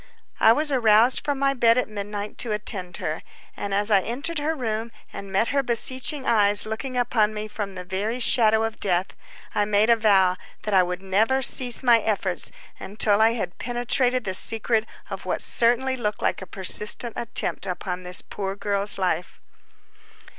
I was aroused from my bed at midnight to attend her, and as I entered her room and met her beseeching eyes looking upon me from the very shadow of death, I made a vow that I would never cease my efforts till I had penetrated the secret of what certainly looked like a persistent attempt upon this poor girl's life.